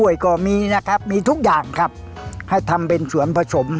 ก็มีนะครับมีทุกอย่างครับให้ทำเป็นส่วนผสม